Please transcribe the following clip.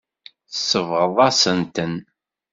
Tsebɣeḍ-asen-ten.